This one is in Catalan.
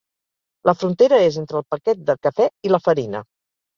La frontera és entre el paquet de cafè i la farina.